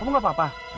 kamu gak apa apa